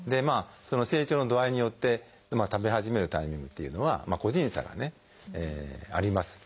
成長の度合いによって食べ始めるタイミングっていうのは個人差がねあります。